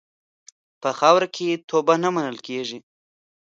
په خاوره کې توبه نه منل کېږي.